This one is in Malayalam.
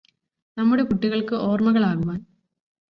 നമ്മുടെ കുട്ടികൾക്ക് ഓർമ്മകൾ ആകുവാൻ